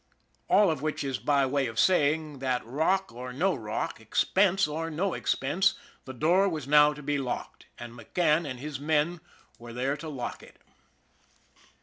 All of which is by way of saying that rock or no rock, expense or no expense, the door was now to be locked, and McCann and his men were there to lock it.